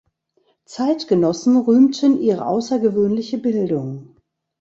Zeitgenossen rühmten ihre außergewöhnliche Bildung.